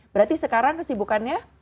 berarti sekarang kesibukannya